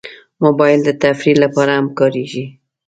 موبایل د تفریح لپاره هم کارېږي.